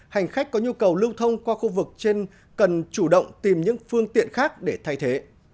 hành khách có nhu cầu lưu thông qua khu vực trên cần chủ động tìm những phương tiện khác để thay thế